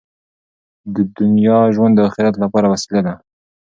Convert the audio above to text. د دنیا ژوند د اخرت لپاره وسیله ده.